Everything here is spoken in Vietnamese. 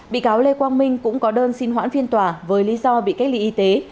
bị cáo lê quang minh cũng có đơn xin hoãn phiên tòa với lý do bị cách ly y tế